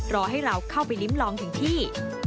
รอให้เราเข้าไปลิ้มลองถึงที่